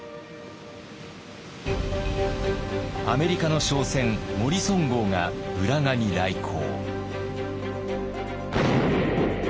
アメリカの商船「モリソン号」が浦賀に来航。